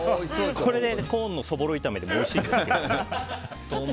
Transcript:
コーンのそぼろ炒めでもおいしいですけどね。